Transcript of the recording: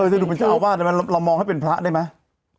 ถ้าคิ้วมันจะเป็นเจ้าอาวาสเรามองให้เป็นพระได้ไหม